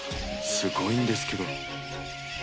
すごいんですけど。